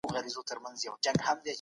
سياست پوهنه د ټولنې جوړښتونه مطالعوي.